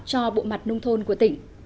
cho bộ mặt nông thuần của tỉnh